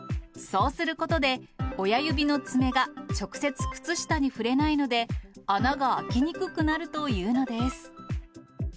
そうすることで、親指の爪が直接靴下に触れないので、穴が開きにくくなるというのです。